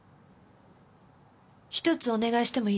１つお願いしてもいいですか？